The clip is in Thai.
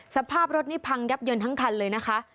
สภาพรถนี่พังยับเยินทั้งคันเลยนะคะ